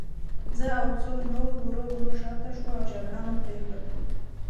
زه او څو نور ورو ورو شاته شوو او جبهه مو پرېښوده